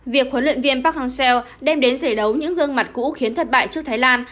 việc huấn luyện viên park hang seo đem đến giải đấu những gương mặt cũ khiến thất bại trước thái lan